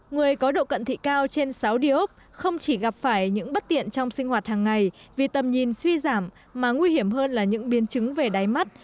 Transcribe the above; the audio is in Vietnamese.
người có độ cận thị cao trên sáu đi ốc không chỉ gặp phải những bất tiện trong sinh hoạt hàng ngày vì tầm nhìn suy giảm mà nguy hiểm hơn là những biến chứng về đáy mắt